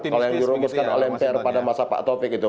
kalau yang dirumuskan oleh mpr pada masa pak taufik itu